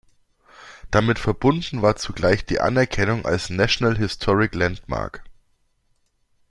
Damit verbunden war zugleich die Anerkennung als National Historic Landmark.